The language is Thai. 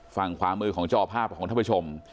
ฝั่งขวามือของจอภาพของท่านผู้ชม